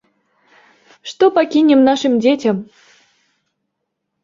Што пакінем нашым дзецям?